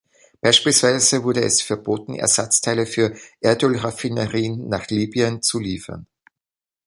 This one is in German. Beispielsweise wurde es Verboten Ersatzteile für Erdölraffinerien nach Libyen zu liefern.